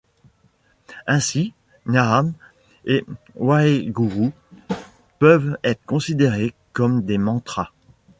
Ainsi Naam ou Waheguru peuvent être considérés comme des mantras.